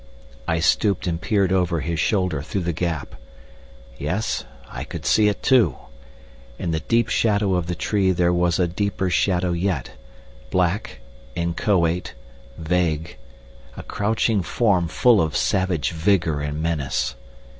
I stooped and peered over his shoulder through the gap. Yes, I could see it, too. In the deep shadow of the tree there was a deeper shadow yet, black, inchoate, vague a crouching form full of savage vigor and menace.